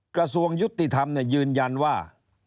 กระทรวงยุติธรรมยืนยันว่า